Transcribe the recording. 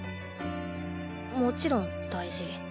もちろん大事。